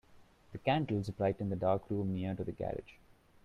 The candles brightened the dark room near to the garage.